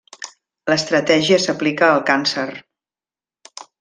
L'estratègia s'aplica al càncer.